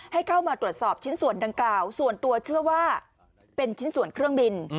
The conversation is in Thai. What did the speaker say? ให้เข้ามาตรวจสอบชิ้นส่วนดังกล่าวส่วนตัวเชื่อว่าเป็นชิ้นส่วนเครื่องบิน